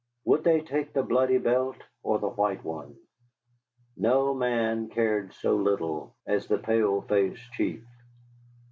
Would they take the bloody belt or the white one? No man cared so little as the Pale Face Chief.